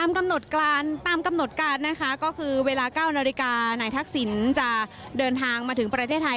ก็คือเวลาเก้านาฬิกาไหนทักษิณจะเดินทางมาถึงประเทศไทย